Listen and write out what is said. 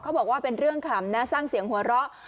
บอกว่าเป็นเรื่องขำนะสร้างเสียงหัวเราะ